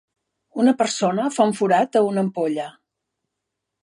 Una persona fa un forat a una ampolla.